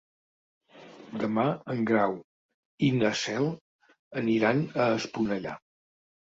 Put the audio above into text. Demà en Grau i na Cel aniran a Esponellà.